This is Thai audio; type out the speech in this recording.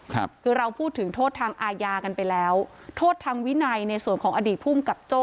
คือเราพูดถึงโทษทางอาญากันไปแล้วโทษทางวินัยในส่วนของอดีตภูมิกับโจ้